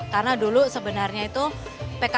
karena dulu sebenarnya itu pkl pkl yang pindah pindah begitu ya